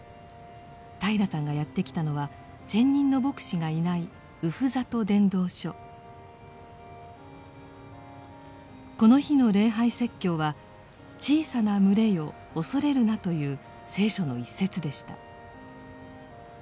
平良さんがやって来たのは専任の牧師がいないこの日の礼拝説教は「小さな群れよ恐れるな」という聖書の一節でした。